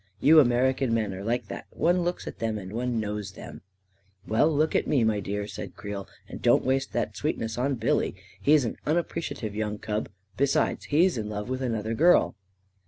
You American men are like that — one looks at them, and one knows them." " Well, look at me, my dear," said Creel, " and 74 A KING IN BABYLON don't waste all that sweetness on Billy. He's an unappreciative young cub — besides, he's in love with another girl."